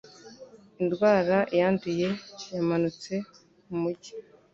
Indwara yanduye yamanutse mu mujyi